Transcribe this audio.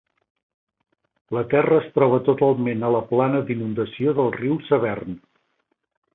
La terra es troba totalment a la plana d'inundació del riu Severn.